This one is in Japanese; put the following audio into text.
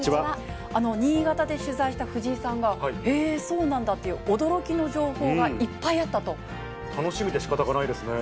新潟で取材した藤井さんは、へぇ、そうなんだっていう驚きの楽しみでしかたがないですね。